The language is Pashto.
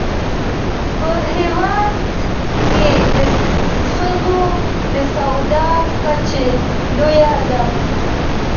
په هېواد کې د ښځو د سواد کچه لوړه ده.